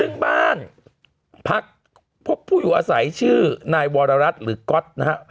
ซึ่งบ้านพักพบผู้อยู่อาศัยชื่อนายวรรัฐหรือก๊อตนะฮะ